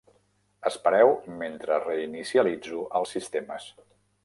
Espereu mentre reinicialitzo els sistemes.